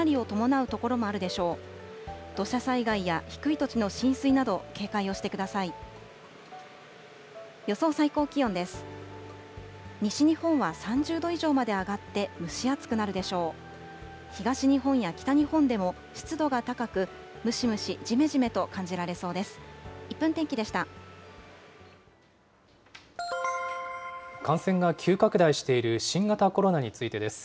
東日本や北日本でも、湿度が高く、ムシムシじめじめと感じられそうです。